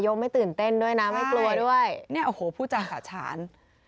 ใช่นี่โอ้โหผู้จังสะชาน